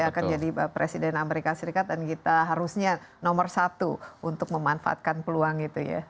akan jadi presiden amerika serikat dan kita harusnya nomor satu untuk memanfaatkan peluang itu ya